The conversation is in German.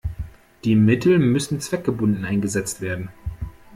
Die Mittel müssen zweckgebunden eingesetzt werden.